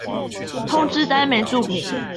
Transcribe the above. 通知單沒註明